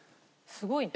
すごいね。